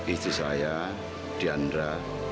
istri saya diandra